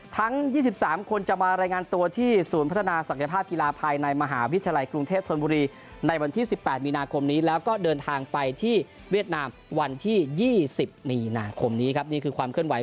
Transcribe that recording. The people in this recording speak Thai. ทั้ง๒๓คนจะมารายงานตัวที่ศูนย์พัฒนาศักยภาพกีฬาภายในมหาวิทยาลัยกรุงเทศธรรมบุรี